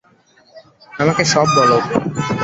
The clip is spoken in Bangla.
আমাকে সব বলো।